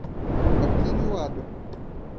aquinhoado